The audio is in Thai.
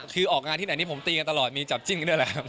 คือออกงานที่ไหนนี่ผมตีกันตลอดมีจับจิ้งกันด้วยแหละครับ